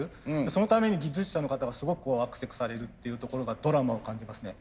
そのために技術者の方がすごくこうあくせくされるっていうところがドラマを感じますね。